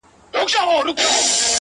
o قاضي صاحبه ملامت نه یم بچي وږي وه ـ